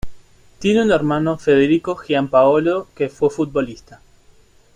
Tiene un hermano, Federico Giampaolo, que fue futbolista.